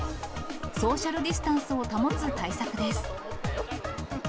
ソーシャルディスタンスを保つ対策です。